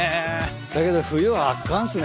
だけど冬は圧巻すね